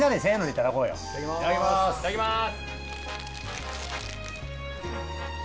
いただきます。